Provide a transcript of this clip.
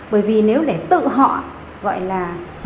bởi vì nếu để tự họ gọi là nộp